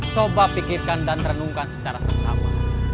coba pikirkan dan renungkan secara seksama